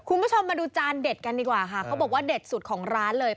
คุณผู้ชมมาดูจานเด็ดกันดีกว่าค่ะเขาบอกว่าเด็ดสุดของร้านเลย